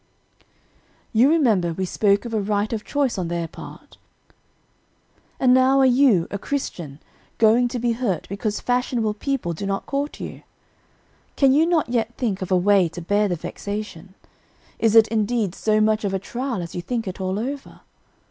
"You remember we spoke of a right of choice on their part; and now are you, a Christian, going to be hurt because fashionable people do not court you? Can you not yet think of a way to bear the vexation? Is it, indeed, so much of a trial, as you think it all over?